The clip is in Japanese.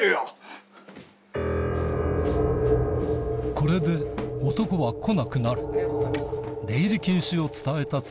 これで男は来なくなる